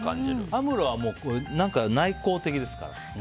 アムロは、内向的ですから。